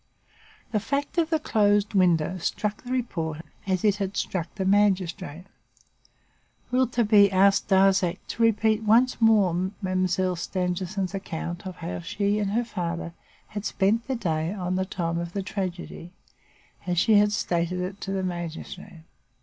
The fact of the closed window struck the reporter as it had struck the magistrate. Rouletabille asked Darzac to repeat once more Mademoiselle Stangerson's account of how she and her father had spent their time on the day of the tragedy, as she had stated it to the magistrate.